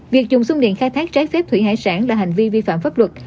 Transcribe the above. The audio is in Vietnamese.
việc dùng sung điện khai thác trái phép thủy hải sản là hành vi vi phạm pháp luật